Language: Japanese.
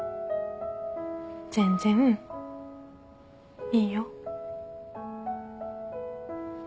全然いいよ。